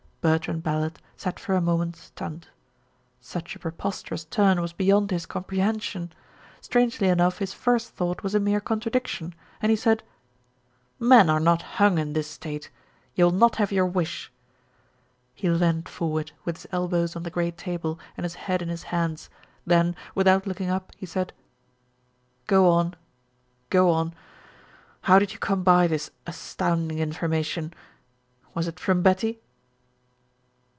Bertrand Ballard sat for a moment stunned. Such a preposterous turn was beyond his comprehension. Strangely enough his first thought was a mere contradiction, and he said: "Men are not hung in this state. You will not have your wish." He leaned forward, with his elbows on the great table and his head in his hands; then, without looking up, he said: "Go on. Go on. How did you come by this astounding information? Was it from Betty?"